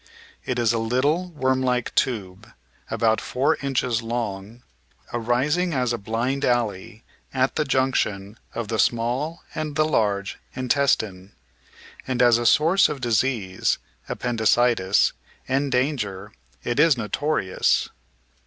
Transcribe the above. It is a little worm like tube, about four inches long, arising as a blind alley at the junction of the small and the large intestine; and as a source of disease (appendicitis) and danger it is notorious.